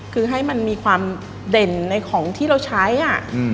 คือให้มันมีความเด่นในของที่เราใช้อ่ะ